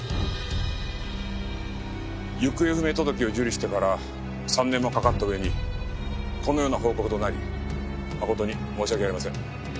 行方不明届を受理してから３年もかかった上にこのような報告となり誠に申し訳ありません。